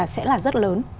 sẽ là rất lớn